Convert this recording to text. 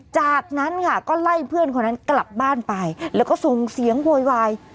จากนั้นค่ะก็ไล่เพื่อนคนนั้นกลับบ้านไปแล้วก็ส่งเสียงโวยวาย